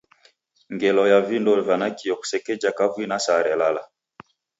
Ngelo ya vindo va nakio kusekeja kavui na saa relala.